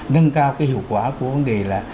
nâng cao cái hiệu quả của vấn đề là